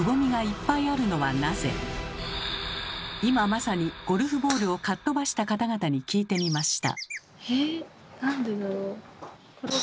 今まさにゴルフボールをかっ飛ばした方々に聞いてみました。